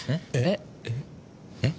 えっ？